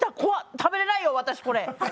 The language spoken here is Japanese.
食べれないよ、私、これ。